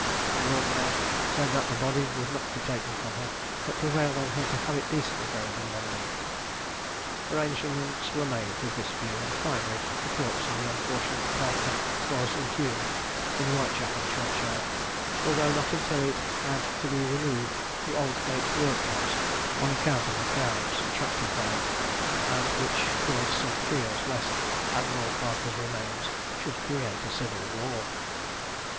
The Lord Mayor said that the body would not be taken from her, but prevailed on her to have it decently buried in London. Arrangements were made with this view, and finally the corpse of the unfortunate Parker was inhumed in Whitechapel churchyard; although not until it had to be removed to Aldgate workhouse, on account of the crowds attracted by it, and which caused some fears lest "Admiral Parker's remains should create a civil war."